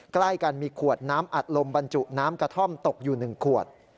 ใกล้กันมีขวดน้ำอัดลมบรรจุน้ำกระท่อมตกอยู่๑ขวด